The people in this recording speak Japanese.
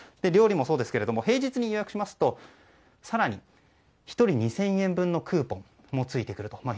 料理のそうですけれども平日に予約しますと更に１人２０００円分のクーポンもついてくると。